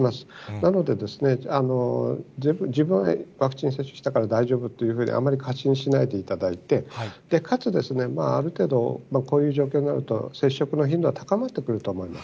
なので、自分はワクチン接種したから大丈夫というふうにあまり過信しないでいただいて、かつ、ある程度こういう状況になると、接触の頻度、高まってくると思います。